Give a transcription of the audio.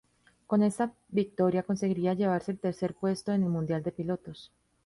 Con esta victoria conseguiría llevarse el tercer puesto en el mundial de pilotos.